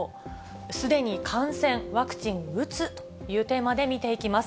すでに感染、ワクチン打つ？というテーマで見ていきます。